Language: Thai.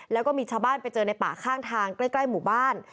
แล้วก็มีชาวบ้านไปเจอในป่าข้างทางใกล้หมู่บ้าน